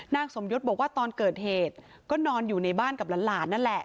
นางสมยศบอกว่าตอนเกิดเหตุก็นอนอยู่ในบ้านกับหลานนั่นแหละ